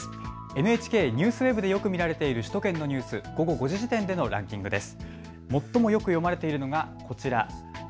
ＮＨＫＮＥＷＳＷＥＢでよく見られている首都圏のニュース、午後５時時点でのランキングです。